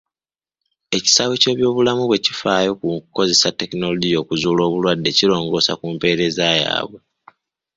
Ekisaawe ky'ebyobulamu bwe kifaayo mu kukozesa tekinologiya okuzuula obulwadde kirongoosa ku mpeereza yaabwe.